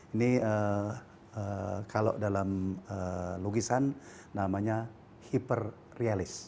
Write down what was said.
ini kalau dalam logisan namanya hyper realist